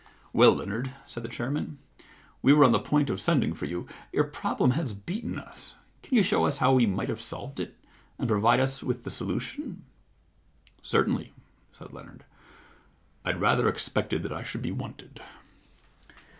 * Well, Leonard/ said the chairman, * we were on the point of sending for you. Your problem has beaten us. Can you show us how we might have solved it, and provide us with the solution ?Certainly,' said Leonard. * I'd rather expected that I should be wanted.